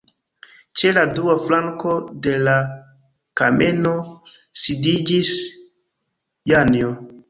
Ĉe la dua flanko de la kameno sidiĝis Janjo.